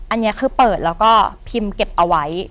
อันนี้คือเปิดแล้วก็พิมพ์เก็บเอาไว้